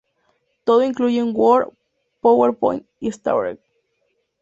Todas incluyen Word, PowerPoint y Entourage.